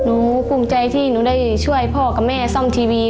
ภูมิใจที่หนูได้ช่วยพ่อกับแม่ซ่อมทีวี